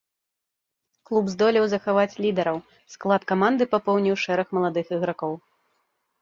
Клуб здолеў захаваць лідараў, склад каманды папоўніў шэраг маладых ігракоў.